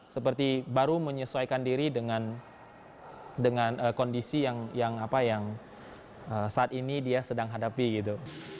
seperti baru menyesuaikan diri dengan kondisi yang saat ini dia sedang hadapi gitu